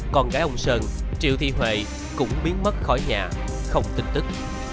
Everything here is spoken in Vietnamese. con gái ông sơn triệu thi huệ cũng biến mất khỏi nhà không tinh tức